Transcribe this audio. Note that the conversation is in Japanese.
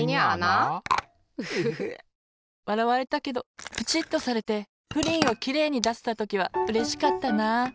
フフフ！わらわれたけどプチッとされてプリンをきれいにだせたときはうれしかったな。